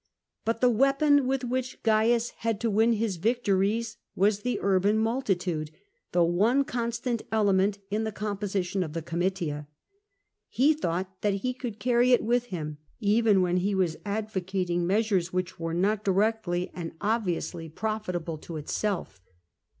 But the weapon with which Gains had to win his victories was the urban multitude, the one constant element in the composition of the Oomitia. He thought that he could carry it with him, even when he was advocating measures which were not directly and obviously profitable to itself.